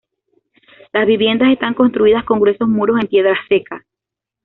Las viviendas están construidas con gruesos muros en piedra seca.